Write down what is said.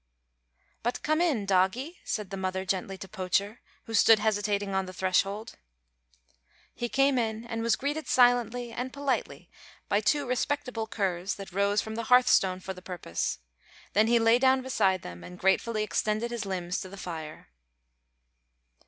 "But come in, dawgie," said the mother gently to Poacher, who stood hesitating on the threshold. He came in, and was greeted silently and politely by two respectable curs that rose from the hearth stone for the purpose, then he lay down beside them, and gratefully extended his limbs to the fire.